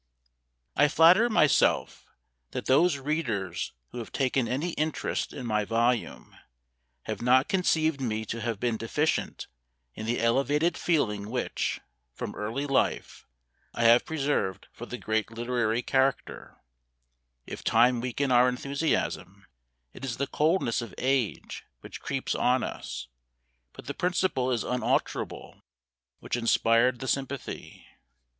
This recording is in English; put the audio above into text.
I flatter myself that those readers who have taken any interest in my volume have not conceived me to have been deficient in the elevated feeling which, from early life, I have preserved for the great literary character: if time weaken our enthusiasm, it is the coldness of age which creeps on us, but the principle is unalterable which inspired the sympathy.